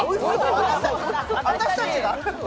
私たちが？